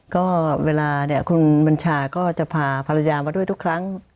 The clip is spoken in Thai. ก็เวลาเนี่ยคุณบัญชาก็จะพาภรรยามาด้วยทุกครั้ง